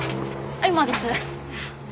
今です。